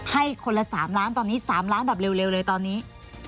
ให้คนละ๓ล้านตอนนี้๓ล้านแบบเร็วเลยตอนนี้